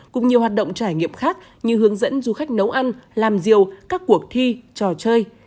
cùng nhiều hoạt động trải nghiệm khác như hướng dẫn du khách nấu ăn làm rìu các cuộc thi trò chơi